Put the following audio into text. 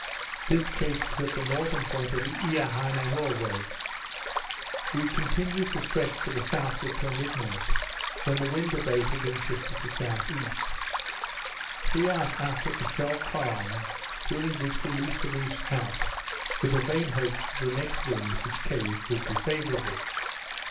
This Cape is the northern point of Eaheinomauwe. We continued to stretch to the southward till midnight, when the wind abated and shifted to S.E. Three hours after, it fell calm, during which we loosed the reefs out, with the vain hopes that the next wind which came would be favourable.